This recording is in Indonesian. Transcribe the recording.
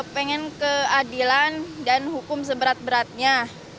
pengen keadilan dan hukum seberat beratnya